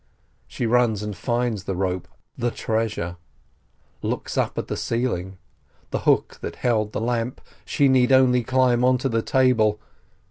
She runs and finds the rope, the treasure, looks up at the ceiling — the hook that held the lamp — she need only climb onto the table.